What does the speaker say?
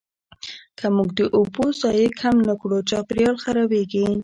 که موږ د اوبو ضایع کم نه کړو، چاپیریال خرابېږي.